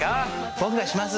僕がします！